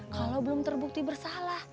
kalau belum terbukti bersalah